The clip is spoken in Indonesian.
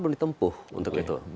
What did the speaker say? belum ditempuh untuk itu